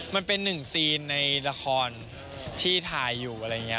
มันเป็นหนึ่งซีนในละครที่ถ่ายอยู่อะไรอย่างนี้